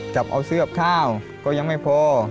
จับเอาเสื้อข้าวก็ยังไม่พอ